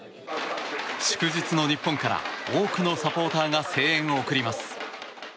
祝日の日本から多くのサポーターが声援を送ります。